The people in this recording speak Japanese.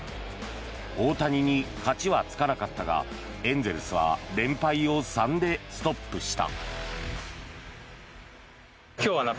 大谷に勝ちはつかなかったがエンゼルスは連敗を３でストップした。